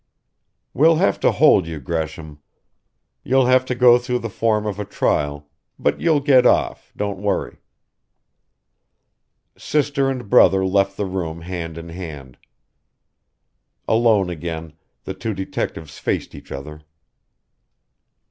"We'll have to hold you, Gresham. You'll have to go through the form of a trial but you'll get off, don't worry!" Sister and brother left the room hand in hand. Alone again, the two detectives faced each other.